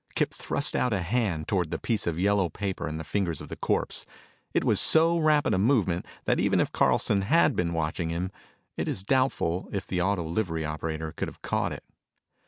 Kip thrust out a hand toward the piece of yellow paper in the fingers of the corpse. It was so rapid a movement that even if Carlson had been watching him it is doubtful if the auto livery operator could have caught it.